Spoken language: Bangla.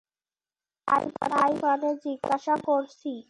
তাই মানে জিজ্ঞাসা করছি।